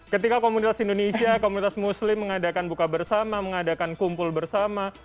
ketika komunitas indonesia komunitas muslim mengadakan buka bersama mengadakan kumpul bersama